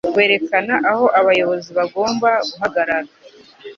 werekana aho abayobozi bagomba guhagarara